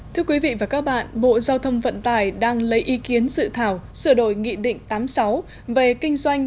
thưa quý vị và các bạn bộ giao thông vận tải đang lấy ý kiến sự thảo sửa đổi nghị định tám mươi sáu về kinh doanh